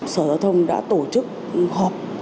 sở giao thông đã tổ chức hợp